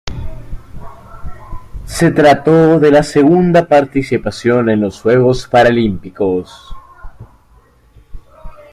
Se trató de la segunda participación en los Juegos Paralímpicos.